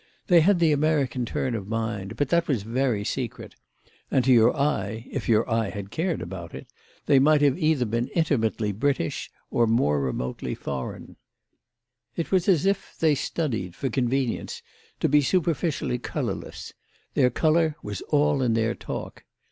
They had the American turn of mind, but that was very secret; and to your eye—if your eye had cared about it—they might have been either intimately British or more remotely foreign. It was as if they studied, for convenience, to be superficially colourless; their colour was all in their talk.